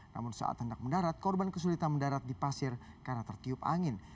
namun saat hendak mendarat korban kesulitan mendarat di pasir karena tertiup angin